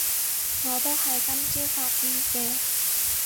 我都係今朝發現嘅